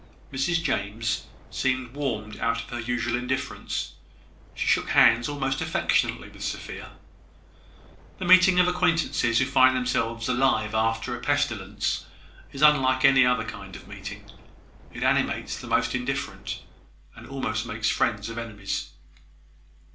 Mrs James seemed warmed out of her usual indifference. She shook hands almost affectionately with Sophia. The meeting of acquaintances who find themselves alive after a pestilence is unlike any other kind of meeting: it animates the most indifferent, and almost makes friends of enemies.